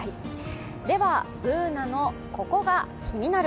ではＢｏｏｎａの「ココがキニナル」。